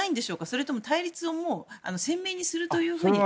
それとも対立をもう鮮明にするというふうに。